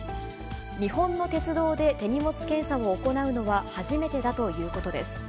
日本の鉄道で手荷物検査を行うのは初めてだということです。